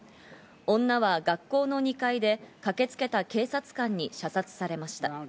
女は学校の２階で駆けつけた警察官に射殺されました。